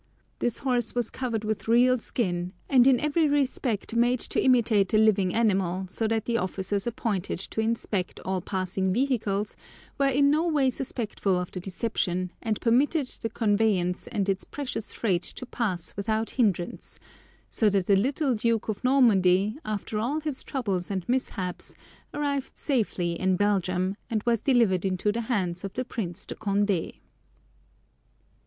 This horse was covered with real skin, and in every respect made to imitate a living animal, so that the officers appointed to inspect all passing vehicles were in no way suspectful of the deception, and permitted the conveyance and its precious freight to pass without hindrance, so that the little Duke of Normandy, after all his troubles and mishaps, arrived safely in Belgium, and was delivered into the hands of the Prince de Condé.